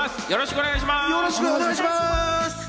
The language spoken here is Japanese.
よろしくお願いします。